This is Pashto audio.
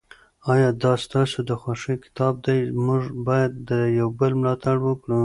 آیا دا ستاسو د خوښې کتاب دی؟ موږ باید د یو بل ملاتړ وکړو.